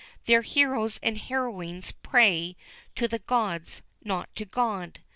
Their heroes and heroines pray to "the gods," not to "God."